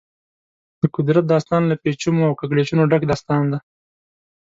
د قدرت داستان له پېچومو او کږلېچونو ډک داستان دی.